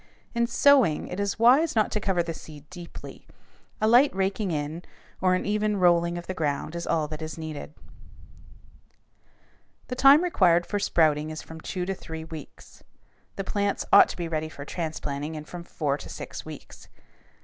In sowing, it is not wise to cover the seed deeply. A light raking in or an even rolling of the ground is all that is needed. [Illustration: FIG. 190. A PROMISING CROP OF TOBACCO] The time required for sprouting is from two to three weeks. The plants ought to be ready for transplanting in from four to six weeks.